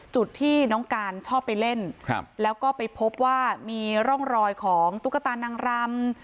จุดที่น้องการชอบไปเล่นแล้วก็ไปพบว่ามีร่องรอยของตุ๊กตานางรำ